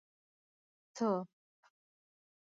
ته